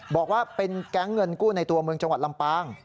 บอกว่าเป็นแก๊งเงินกู้ในตัวเมืองจังหวัดลำปาง